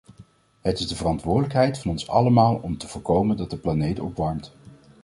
Het is de verantwoordelijkheid van ons allemaal om te voorkomen dat de planeet opwarmt.